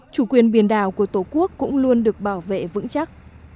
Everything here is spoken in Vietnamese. chủ quyền biển đảo của tổ quốc cũng luôn được bảo vệ vững chắc